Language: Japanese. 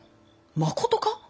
まことか！？